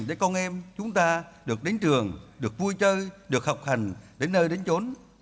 để con em chúng ta được đến trường được vui chơi được học hành đến nơi đến chỗ